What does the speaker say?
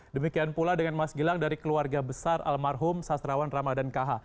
demikian pula dengan mas gilang dari keluarga besar almarhum sastrawan ramadan kh